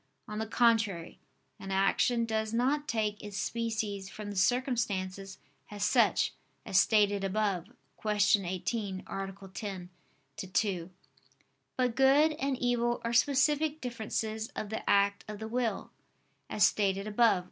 On the contrary, An action does not take its species from the circumstances as such, as stated above (Q. 18, A. 10, ad 2). But good and evil are specific differences of the act of the will, as stated above (A.